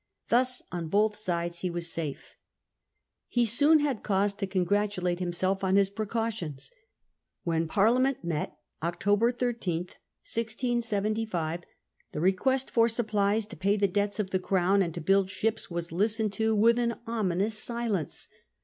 Thus on both sides he was safe. He soon had cause to congratulate himself on his precautions. When Parliament met, October 13, 1675, Parliament rec l uest for supplies to pay the debts of the refuse Crown and to build ships was listened to with October* an ominous silence.